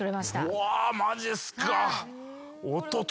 うわマジっすか。